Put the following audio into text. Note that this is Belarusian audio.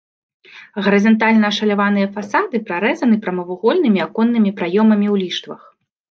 Гарызантальна ашаляваныя фасады прарэзаны прамавугольнымі аконнымі праёмамі ў ліштвах.